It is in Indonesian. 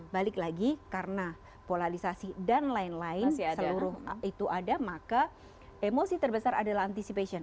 balik lagi karena polarisasi dan lain lain seluruh itu ada maka emosi terbesar adalah anticipation